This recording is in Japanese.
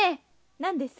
何です？